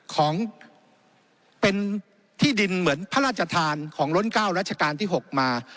ของเป็นที่ดินเหมือนพระราชทานของล้น๙รัชกาลที่๖มา